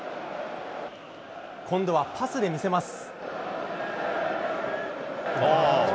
今度はパスで見せます。